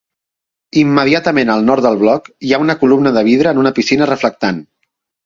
Immediatament al nord del bloc, hi ha una columna de vidre en una piscina reflectant.